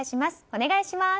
お願いします。